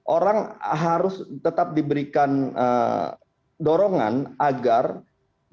orang harus tetap diberikan dorongan agar berlaku baik